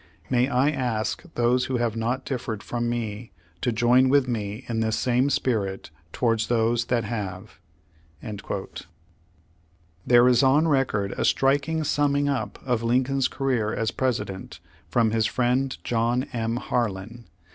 May I ask those who have not differed from me to join with me in this same spirit toward those that have?" There is on record a striking summing up of Lincoln's career as President, from his friend John M. Harlan.